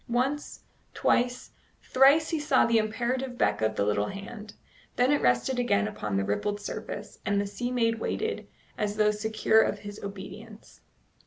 Once, twice, thrice he saw the imperative beck of the little hand; then it rested again upon the rippled surface, and the sea maid waited, as though secure of his obedience.